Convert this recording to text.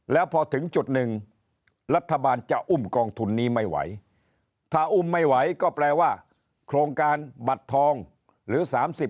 แล้วพอถึงจุดหนึ่งรัฐบาลจะอุ้มกองทุนนี้ไม่ไหวถ้าอุ้มไม่ไหวก็แปลว่าโครงการบัตรทองหรือ๓๐